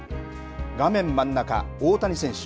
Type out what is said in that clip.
画面真ん中、大谷選手。